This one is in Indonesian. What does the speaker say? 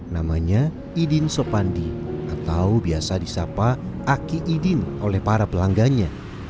namanya idin sopandi atau biasa disapa aki idin oleh para pelanggannya